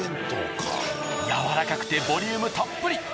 柔らかくてボリュームたっぷり。